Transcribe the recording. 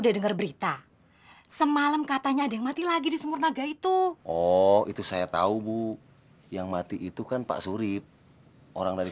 cuciannya sudah selesai saya mau pamit pulang dulu